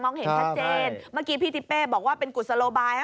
เห็นชัดเจนเมื่อกี้พี่ทิเป้บอกว่าเป็นกุศโลบาย